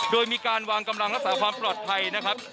โดยมีการวางกำลังรักษาความปลอดภัยนะครับ